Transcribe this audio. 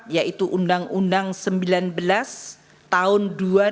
yaitu uu sembilan belas tahun dua ribu dua puluh tiga